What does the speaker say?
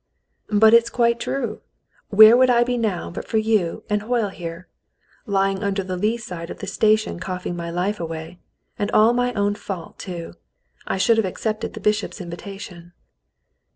"But it is quite true. Where would I be now but for you and Hoyle here ^ Lying under the lee side of the station coughing my life away, — and all my own fault, too. I should have accepted the bishop's invitation."